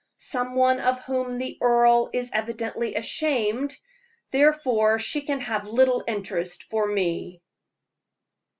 Some one of whom the earl is evidently ashamed; therefore she can have little interest for me."